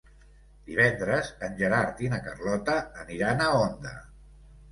Divendres en Gerard i na Carlota aniran a Onda.